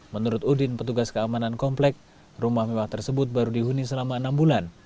menurut udin petugas keamanan komplek rumah mewah tersebut baru dihuni selama enam bulan